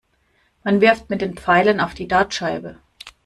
Man wirft mit den Pfeilen auf die Dartscheibe.